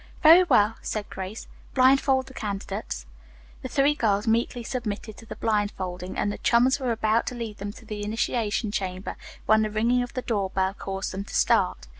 "Very well," said Grace. "Blindfold the candidates." The three girls meekly submitted to the blindfolding, and the chums were about to lead them to the initiation chamber, when the ringing of the door bell caused them to start.